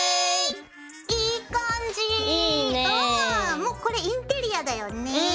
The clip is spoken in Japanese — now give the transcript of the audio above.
もうこれインテリアだよね。